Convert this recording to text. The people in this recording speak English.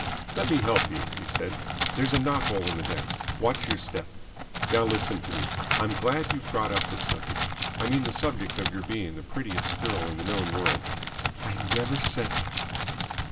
"Let me help you," he said. "There's a knothole in the deck. Watch your step. Now, listen to me. I'm glad you've brought up this subject I mean the subject of your being the prettiest girl in the known world " "I never said that."